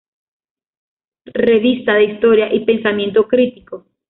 Revista de historia y pensamiento crítico".